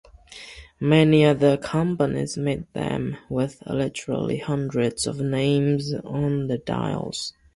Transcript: Many other companies made them, with literally hundreds of names on the dials.